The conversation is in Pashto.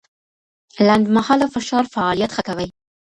لنډمهاله فشار فعالیت ښه کوي.